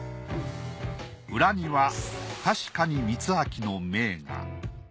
裏には確かに光明の銘が。